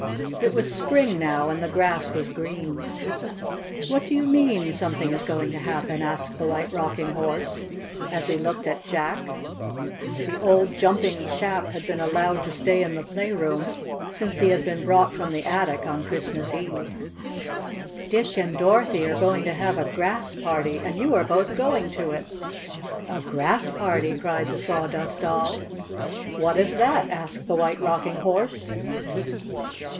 It was spring now, and the grass was green. "What do you mean something going to happen?" asked the White Rocking Horse, as he looked at Jack. The old jumping chap had been allowed to stay in the playroom since he had been brought from the attic on Christmas Eve. "Dick and Dorothy are going to have a Grass Party, and you are both going to it!" "A Grass Party!" cried the Sawdust "What is that?" asked the White Rocking Horse.